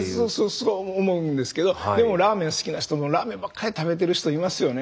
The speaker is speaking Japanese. そう思うんですけどでもラーメン好きな人ラーメンばっかり食べてる人いますよね。